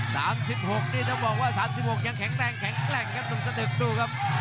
๓๖นี่ต้องบอกว่า๓๖ยังแข็งแรงแข็งแรงครับหนุ่มสตึกดูครับ